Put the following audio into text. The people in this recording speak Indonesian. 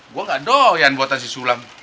gue gak doyan buatan si sulam